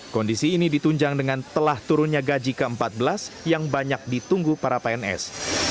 kondisi ini ditunjang dengan telah turunnya gaji ke empat belas yang banyak ditunggu para pns